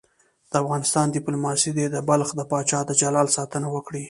د افغانستان دیپلوماسي دې د بلخ د پاچا د جلال ساتنه وکړي.